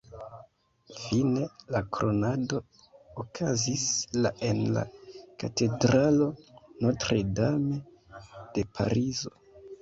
Fine, la kronado okazis la en la katedralo Notre-Dame de Parizo.